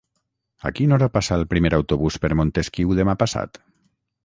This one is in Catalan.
A quina hora passa el primer autobús per Montesquiu demà passat?